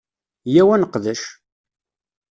Yyaw ad neqdec!